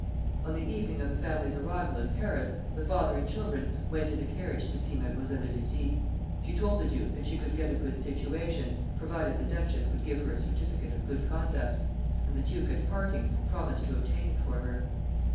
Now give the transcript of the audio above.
On the evening of the family's arrival in Paris, the father and children went in a carriage to see Mademoiselle de Luzy. She told the duke that she could get a good situation, provided the duchess would give her a certificate of good conduct; and the duke at parting promised to obtain it for her.